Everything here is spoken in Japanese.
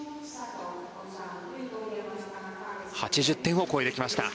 ８０点を超えてきました。